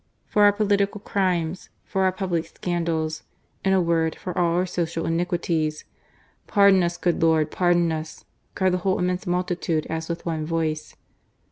" For our political crimes. "For our public scandals, " In a word, for all our social iniquities," " Pardon ns, good Lord J pardon its !" cried the whole immense multitude as with one voice.